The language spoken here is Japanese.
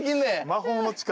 魔法の力。